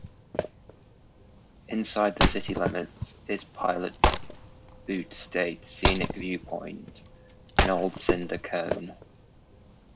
Inside the city limits is Pilot Butte State Scenic Viewpoint, an old cinder cone.